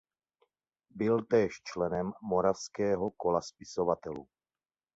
Byl též členem Moravského kola spisovatelů.